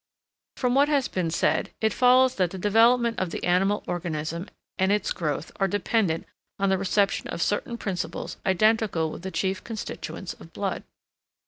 From what has been said, it follows that the development of the animal organism and its growth are dependent on the reception of certain principles identical with the chief constituents of blood.